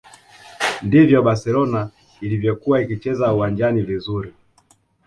ndivyo barcelona ilivyokuwa ikicheza uwanjani vizuri